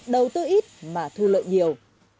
đầu tư ít mà thu lợi nhiều